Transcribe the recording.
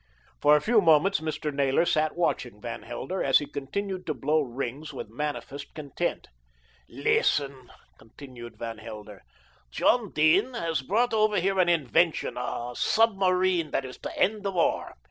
For a few moments Mr. Naylor sat watching Van Helder as he continued to blow rings with manifest content. "Listen," continued Van Helder. "John Dene has brought over here an invention, a submarine that is to end the war.